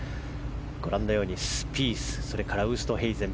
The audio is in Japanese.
ご覧のようにスピース、ウーストヘイゼン。